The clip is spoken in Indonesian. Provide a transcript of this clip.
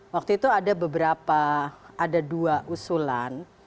waktu itu ada beberapa ada dua usulan